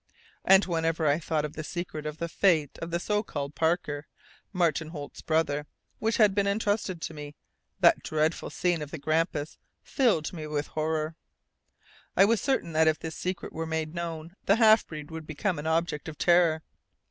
And whenever I thought of the secret of the fate of the so called Parker, Martin Holt's brother, which had been entrusted to me, that dreadful scene of the Grampus filled me with horror. I was certain that if this secret were made known the half breed would become an object of terror.